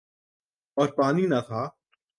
اور پانی نہ تھا۔